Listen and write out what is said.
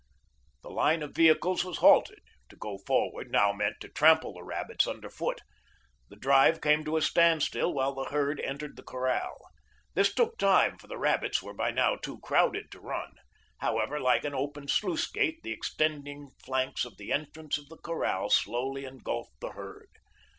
The line of vehicles was halted. To go forward now meant to trample the rabbits under foot. The drive came to a standstill while the herd entered the corral. This took time, for the rabbits were by now too crowded to run. However, like an opened sluice gate, the extending flanks of the entrance of the corral slowly engulfed the herd.